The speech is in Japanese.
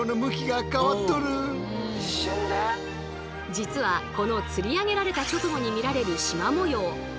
実はこの釣り上げられた直後に見られるシマ模様